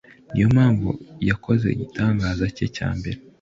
niyo mpamvu yakoze igitangaza cye cya mbere.